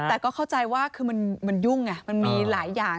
แต่ก็เข้าใจว่าคือมันยุ่งไงมันมีหลายอย่าง